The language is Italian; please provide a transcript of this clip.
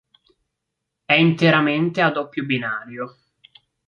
È interamente a doppio binario.